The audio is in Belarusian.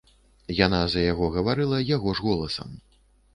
Яна за яго гаварыла яго ж голасам.